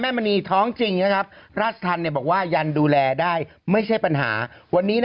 เขาก็กลัวความปลอดภัยเขานะ